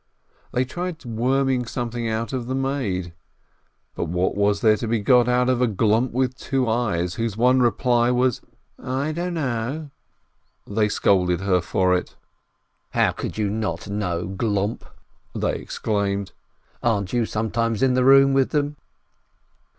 They tried to worm something out of the maid, but what was to be got out of a "glomp with two eyes," whose EEB SHLOIMEH 331 one reply was, "I don't know." They scolded her for it. "How can you not know, glomp?" they exclaimed. "Aren't you sometimes in the room with them